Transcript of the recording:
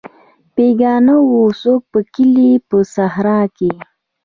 بیکار نه وو څوک په کلي په صحرا کې.